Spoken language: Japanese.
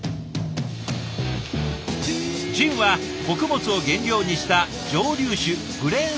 ジンは穀物を原料にした蒸留酒グレーン